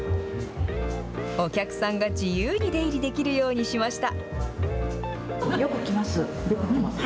お客さんが自由に出入りできるようにしました。